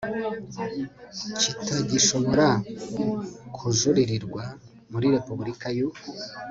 kitagishobora kujuririrwa muri Repubulika y u